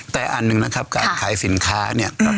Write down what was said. แต่อันหนึ่งนะครับการขายสินค้าเนี่ย